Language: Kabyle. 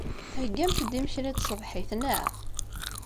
Theyyamt-d imekli n tṣebḥit, naɣ?